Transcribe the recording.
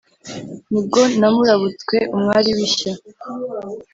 Nibwo namurabutswe umwari w'ishya!